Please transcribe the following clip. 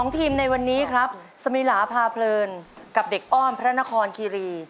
ทีมในวันนี้ครับสมิลาพาเพลินกับเด็กอ้อมพระนครคิรี